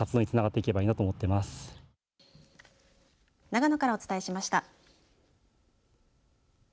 長野からお伝えしました。